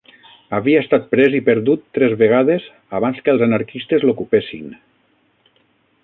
Havia estat pres i perdut tres vegades abans que els anarquistes l'ocupessin